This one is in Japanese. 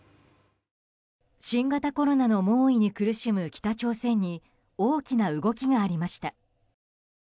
新型コロナの猛威に苦しむ北朝鮮に大きな動きがありました。